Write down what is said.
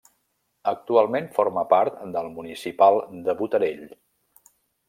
Actualment forma part del municipal de Botarell.